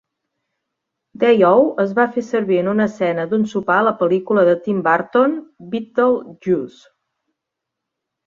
"Day-O" es va fer servir en una escena d'un sopar a la pel·lícula de Tim Burton 'Beetlejuice'.